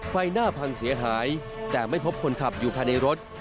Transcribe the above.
ไฟหน้าพังเสียหายแต่ไม่พบคนขับอยู่ภายในรถ